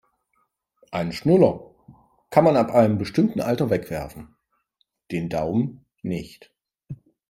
Einen Schnuller kann man ab einem bestimmten Alter wegwerfen, den Daumen nicht.